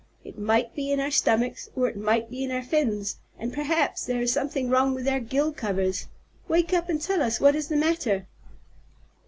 It might be in our stomachs, or it might be in our fins, and perhaps there is something wrong with our gill covers. Wake up and tell us what is the matter."